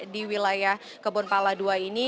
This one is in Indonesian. di wilayah kebon pala ii ini